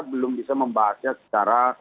belum bisa membahasnya secara